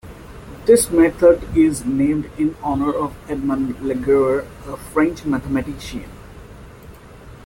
This method is named in honour of Edmond Laguerre, a French mathematician.